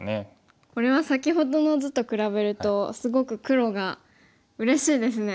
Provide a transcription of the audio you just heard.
これは先ほどの図と比べるとすごく黒がうれしいですね。